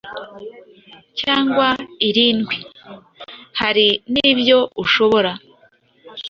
cyangwa irindwi.” Hari n’ibyo ushobora